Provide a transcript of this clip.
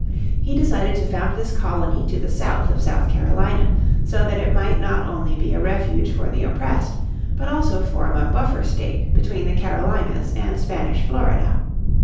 He decided to found this colony to the south of South Carolina, so that it might not only be a refuge for the oppressed, but also form a buffer state between the Carolinas and Spanish Florida.